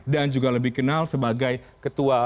dan juga lebih kenal sebagai ketua ppgp ansor ya